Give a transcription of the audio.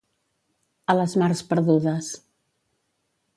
A les mars perdudes.